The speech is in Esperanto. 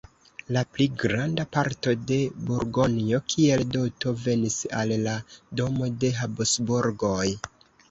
La pli granda parto de Burgonjo kiel doto venis al la domo de Habsburgoj.